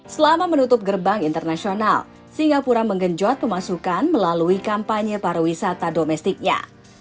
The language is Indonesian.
selama menutup gerbang internasional singapura menggenjot pemasukan melalui kampanye pariwisata domestiknya